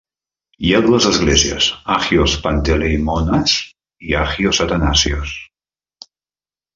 Hi ha dues esglésies: Agios Panteleimonas i Agios Athanasios.